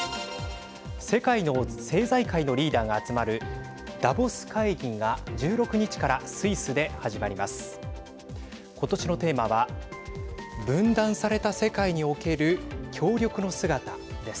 世界の政財界のリーダーが集まるダボス会議が１６日からスイスで始まります。